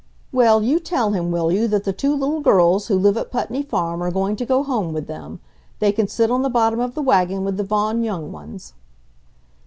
"Well, you tell him, will you, that the two little girls who live at Putney Farm are going to go home with them. They can sit on the bottom of the wagon with the Vaughan young ones."